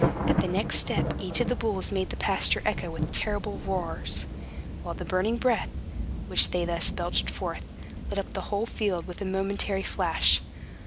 At the next step, each of the bulls made the pasture echo with a terrible roar, while the burning breath, which they thus belched forth, lit up the whole field with a momentary flash.